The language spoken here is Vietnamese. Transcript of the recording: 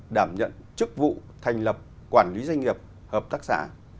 đảm nhận chức vụ thành lập quản lý doanh nghiệp hợp tác xã